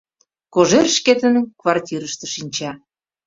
Кожер шкетын квартирыште шинча.